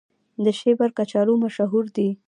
شیبر کچالو مشهور دي؟